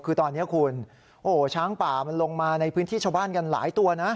คือตอนนี้คุณโอ้โหช้างป่ามันลงมาในพื้นที่ชาวบ้านกันหลายตัวนะ